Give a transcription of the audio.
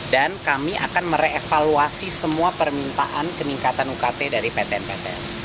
dan kami akan merevaluasi semua permintaan peningkatan ukt dari batn batn